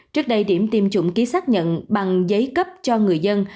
trước đây điểm tiêm chủng ký xác nhận bằng giấy cấp cho người dân